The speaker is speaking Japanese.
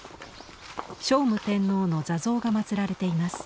聖武天皇の座像が祀られています。